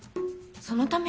そのために？